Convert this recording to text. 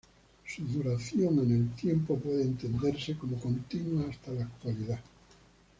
Su duración en el tiempo puede entenderse como continua hasta la actualidad.